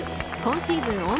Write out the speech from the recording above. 今シーズン